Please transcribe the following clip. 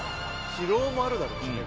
疲労もあるだろうしね。